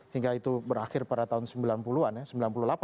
hingga itu berakhir pada tahun sembilan puluh an ya